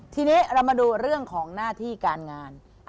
ทีนี้เรามาดูเรื่องของหน้าที่การงาน